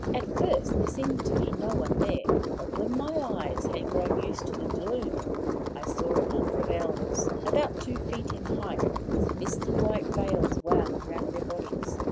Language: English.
At first there seemed to be no one there, but when my eyes had grown used to the gloom I saw a number of Elves about two feet in height, with misty white veils wound round their bodies.